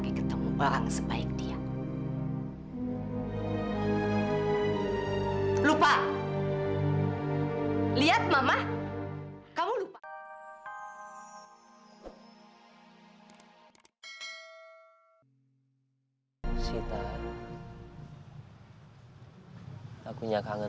akunya kangen sama kamu